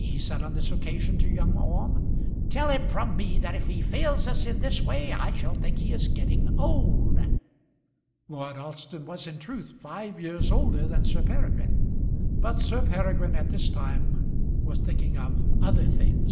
he said on this occasion to young Orme. "Tell him from me that if he fails us in this way, I shall think he is getting old." Lord Alston was in truth five years older than Sir Peregrine, but Sir Peregrine at this time was thinking of other things.